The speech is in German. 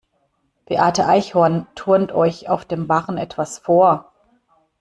Beate Eichhorn turnt euch auf dem Barren etwas vor.